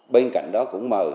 bên cạnh đó cũng mời